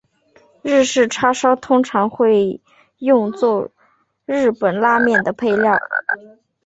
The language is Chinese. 日式叉烧通常会用作日本拉面的配料。